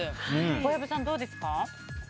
小籔さん、どうですか？